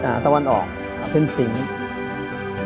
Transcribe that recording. เมื่อเราไปดูแนวคิดเรื่องของการออกแบบ